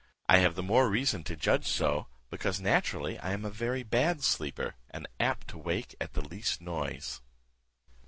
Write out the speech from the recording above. I have the more reason to judge so, because naturally I am a very bad sleeper, and apt to wake at the least noise.